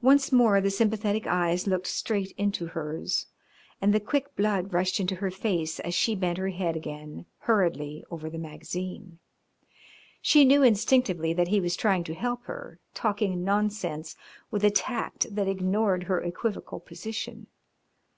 Once more the sympathetic eyes looked straight into hers, and the quick blood rushed into her face as she bent her head again hurriedly over the magazine. She knew instinctively that he was trying to help her, talking nonsense with a tact that ignored her equivocal position.